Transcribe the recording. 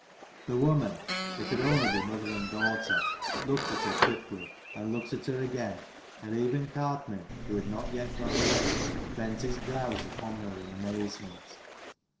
The woman they could only be mother and daughter looked at her quickly ; and looked at her again: and even Gartnaidh, who had not yet gone away, bent his brows upon her in amazement.